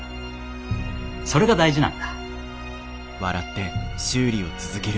それが大事なんだ。